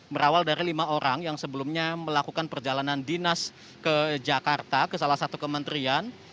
berawal dari lima orang yang sebelumnya melakukan perjalanan dinas ke jakarta ke salah satu kementerian